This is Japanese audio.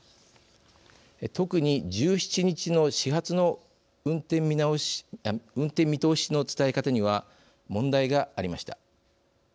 特に、１７日の始発の運転見通しの伝え方には問題がありました。